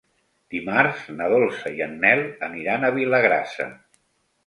Dimarts na Dolça i en Nel aniran a Vilagrassa.